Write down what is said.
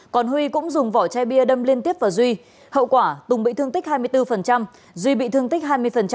còn huy cũng dùng vỏ chai bia đâm liên tiếp vào duy hậu quả tùng bị thương tích hai mươi bốn duy bị thương tích hai mươi